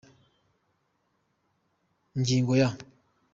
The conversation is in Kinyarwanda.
Ingingo ya